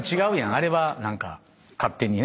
あれは何か勝手にね編集で。